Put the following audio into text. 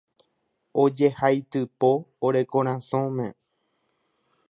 ojehaitypo ore korasõme